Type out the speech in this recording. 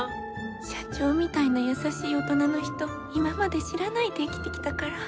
社長みたいな優しい大人の人今まで知らないで生きてきたから。